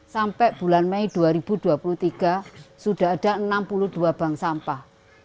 sampai bulan mei dua ribu dua puluh tiga sudah ada enam puluh dua bank sampah